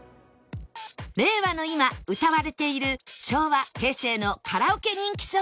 令和の今歌われている昭和・平成のカラオケ人気ソング